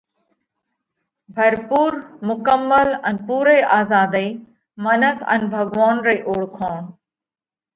ڀرپُور، مڪمل ان پُورئِي آزاڌئِي منک ان ڀڳوونَ رئِي اوۯکوڻ: